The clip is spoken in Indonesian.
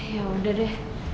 ya udah deh